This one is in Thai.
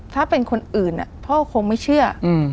ถ้าเป็นคนอื่นพ่อคงไม่เชื่อ